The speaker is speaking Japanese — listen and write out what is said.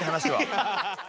ハハハハ。